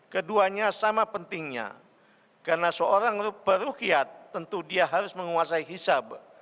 keduanya sama pentingnya karena seorang peruhkiat tentu dia harus menguasai hisab